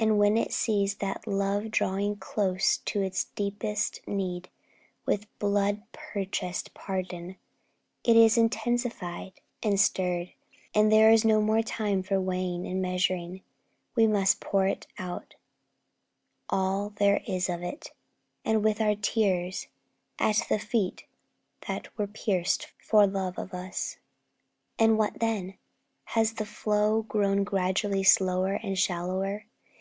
And when it sees that love drawing close to its deepest need with blood purchased pardon, it is intensified and stirred, and there is no more time for weighing and measuring; we must pour it out, all there is of it, with our tears, at the feet that were pierced for love of us. And what then? Has the flow grown gradually slower and shallower?